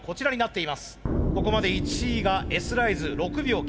ここまで１位がＳライズ６秒９０。